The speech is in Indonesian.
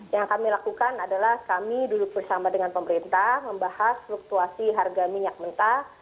yang kami lakukan adalah kami duduk bersama dengan pemerintah membahas fluktuasi harga minyak mentah